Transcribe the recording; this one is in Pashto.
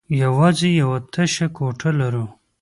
يواځې يوه تشه کوټه لرو.